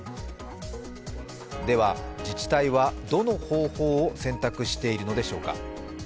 では、自治体はどの方法を選択しているのでしょうか。